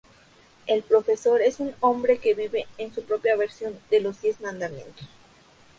El "Profesor" es un hombre que vive por su propia versión los Diez Mandamientos.